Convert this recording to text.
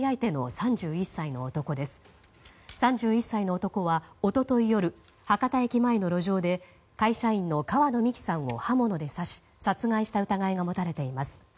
３１歳の男は一昨日夜博多駅前の路上で会社員の川野美樹さんを刃物で刺し殺害した疑いが持たれています。